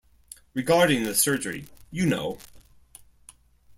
Regarding the surgery, you know.